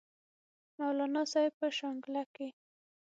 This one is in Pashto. مولانا صاحب پۀ شانګله کښې